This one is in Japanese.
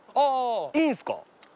いいんすか？